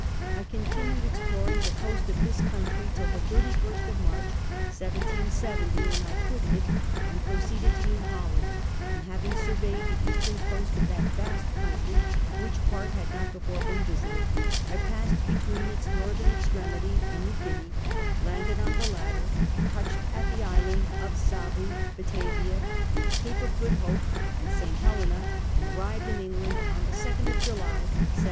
I continued exploring the coast of this country till the 31st of March 1770, when I quitted it and proceeded to New Holland ; an<l having surveyed the eastern coast of that vast country, which part lied not Iwfore been visited, T passed between its northern extnunity and New Guinea, landed on the latter, touched at the island of Savu, Batavia, Cape of Good Hope, and St. Helena, and arrived in England on the 2iid of July 1771.